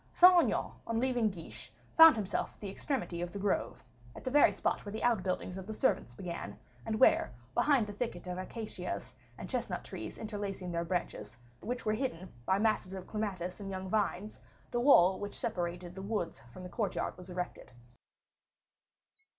Saint Aignan, on leaving Guiche, found himself at the extremity of the grove, at the very spot where the outbuildings of the servants begin, and where, behind the thickets of acacias and chestnut trees interlacing their branches, which were hidden by masses of clematis and young vines, the wall which separated the woods from the courtyard was erected.